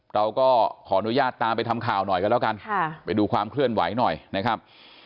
เราก็ขออนุญาตตามไปทำข่าวหน่อยกันแล้วกันไปดูความเคลื่อนไหวหน่อยนะครับ